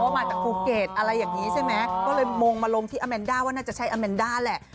มาจากภูเก็ตอะไรอย่างนี้ใช่ไหมก็เลยมงมาลงที่อาแมนด้าว่าน่าจะใช่อาแมนด้าแหละ